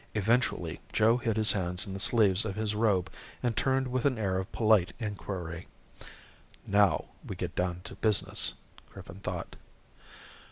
Eventually Joe hid his hands in the sleeves of his robe and turned with an air of polite inquiry. Now we get down to business, Griffin thought.